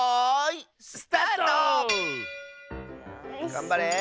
がんばれ。